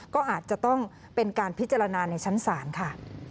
ก็อาจจะต้องเป็นการพิจารณาในชั้นศาลค่ะ